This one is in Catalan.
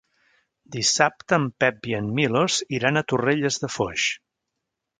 Dissabte en Pep i en Milos iran a Torrelles de Foix.